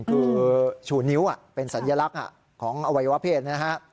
คือชูนิ้วเป็นสัญลักษณ์ของอวัยวะเพศนะฮะ